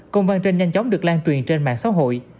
công văn trên nhanh chóng được lan truyền trên mạng xã hội